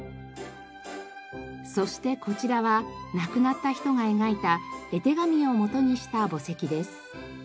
そしてこちらは亡くなった人が描いた絵手紙を元にした墓石です。